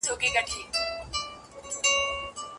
ړوند سړی کولای سي د ږیري سره ډېري مڼې وخوري.